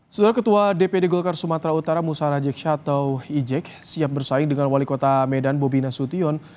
setelah ketua dpd golkar sumatera utara musara jeksha atau ijek siap bersaing dengan wali kota medan bobi nasution